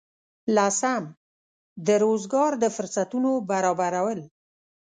لسم: د روزګار د فرصتونو برابرول.